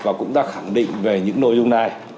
và cũng đã khẳng định về những nội dung